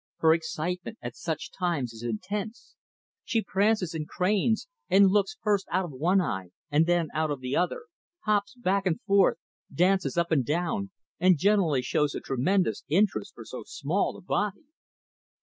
Her excitement at such times is intense. She prances and cranes, and looks first out of one eye and then out of the other, hops back and forth, dances up and down, and generally shows a tremendous interest for so small a body."